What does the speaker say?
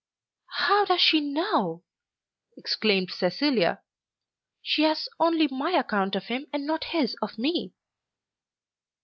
"How does she know?" exclaimed Cecilia. "She has only my account of him, and not his of me."